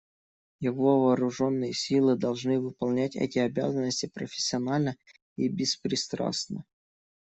Его вооруженные силы должны выполнять эти обязанности профессионально и беспристрастно.